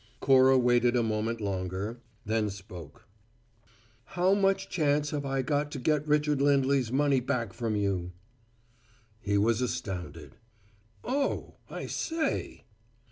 Cora waited a moment longer, then spoke. "How much chance have I to get Richard Lindley's money back from you?" He was astounded. "Oh, I say!"